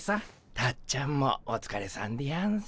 たっちゃんもおつかれさんでやんす。